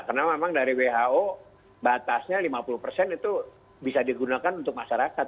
karena memang dari who batasnya lima puluh itu bisa digunakan untuk masyarakat